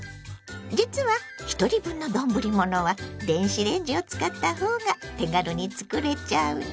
実はひとり分の丼ものは電子レンジを使ったほうが手軽に作れちゃうの。